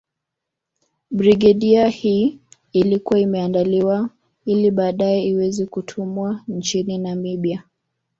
Brigedia hii ilikuwa imeandaliwa ili baadae iweze kutumwa nchini Namibia